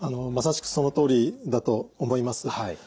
まさしくそのとおりだと思います。